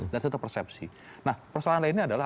dan tetap persepsi nah persoalan lainnya adalah